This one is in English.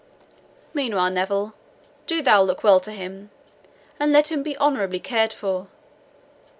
Meanwhile, Neville, do thou look well to him, and let him be honourably cared for.